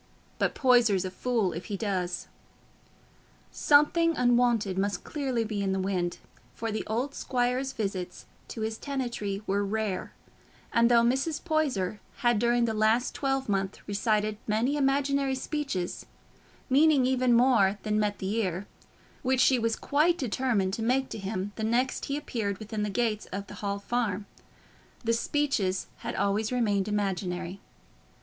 But Poyser's a fool if he does." Something unwonted must clearly be in the wind, for the old squire's visits to his tenantry were rare; and though Mrs. Poyser had during the last twelvemonth recited many imaginary speeches, meaning even more than met the ear, which she was quite determined to make to him the next time he appeared within the gates of the Hall Farm, the speeches had always remained imaginary.